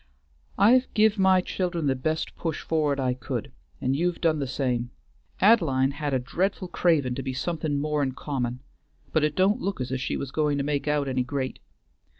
"I've give my child'n the best push forrard I could, an' you've done the same. Ad'line had a dreadful cravin' to be somethin' more'n common; but it don't look as if she was goin' to make out any great.